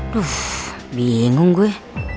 duh bingung gue